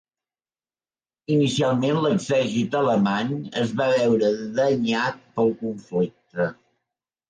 Inicialment, l'exèrcit alemany es va veure danyat pel conflicte.